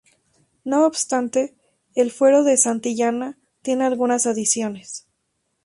No obstante, el fuero de Santillana tiene algunas adiciones.